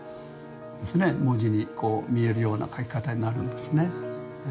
文字に見えるような書き方になるんですね。